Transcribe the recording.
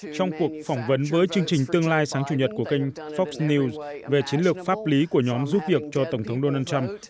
trong cuộc phỏng vấn với chương trình tương lai sáng chủ nhật của kênh fox news về chiến lược pháp lý của nhóm giúp việc cho tổng thống donald trump